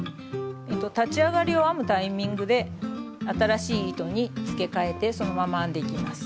立ち上がりを編むタイミングで新しい糸に付け替えてそのまま編んでいきます。